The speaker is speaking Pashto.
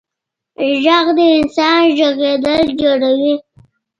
غږ د انسان غږېدل جوړوي.